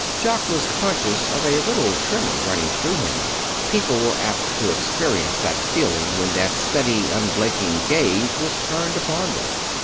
Jock was conscious of a little tremor running through him. People were apt to experience that feeling when that steady, unblinking gaze was turned upon them.